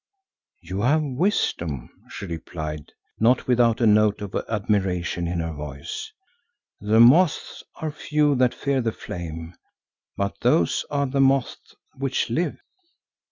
"You have wisdom," she replied, not without a note of admiration in her voice. "The moths are few that fear the flame, but those are the moths which live.